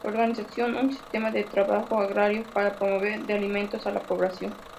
Organizaron un sistema de trabajo agrario para proveer de alimentos a la población.